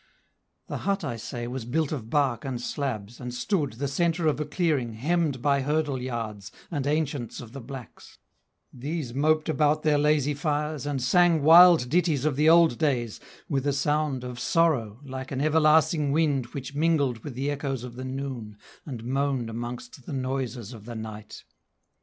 The hut, I say, was built of bark and slabs, And stood, the centre of a clearing, hemmed By hurdle yards, and ancients of the blacks; These moped about their lazy fires, and sang Wild ditties of the old days, with a sound Of sorrow, like an everlasting wind Which mingled with the echoes of the noon And moaned amongst the noises of the night.